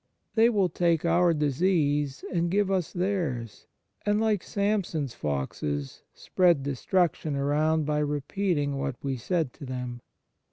They will take our disease and give us theirs, and, like Samson s foxes, spread destruction around by repeating what we said to them.